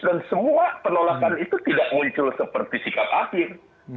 dan semua penolakan itu tidak muncul seperti sikap akhir